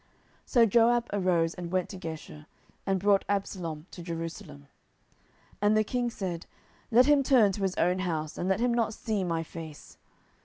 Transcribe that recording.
10:014:023 So Joab arose and went to Geshur, and brought Absalom to Jerusalem. 10:014:024 And the king said, Let him turn to his own house, and let him not see my face.